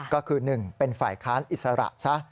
ก็คือ๑เป็นฝ่ายค้านอิสระซะ